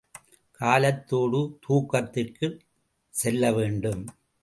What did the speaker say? காலத்தோடு தூக்கத்திற்குச் செல்லவேண்டும்.